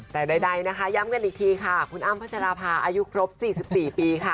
แต่ใดนะคะย้ำกันอีกทีค่ะคุณอ้ำพัชราภาอายุครบ๔๔ปีค่ะ